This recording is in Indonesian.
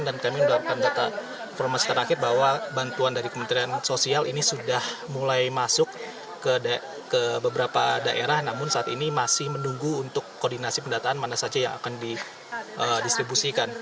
dan kami mendapatkan data informasi terakhir bahwa bantuan dari kementerian sosial ini sudah mulai masuk ke beberapa daerah namun saat ini masih menunggu untuk koordinasi pendataan mana saja yang akan didistribusikan